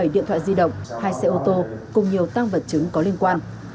một mươi bảy điện thoại di động hai xe ô tô cùng nhiều tăng vật chứng có liên quan